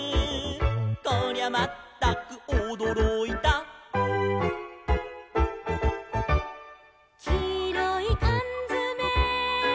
「こりゃまったくおどろいた」「きいろいかんづめ」